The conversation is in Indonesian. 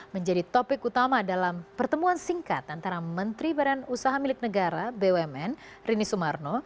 menjadi topik utama dalam pertemuan singkat antara menteri badan usaha milik negara bumn rini sumarno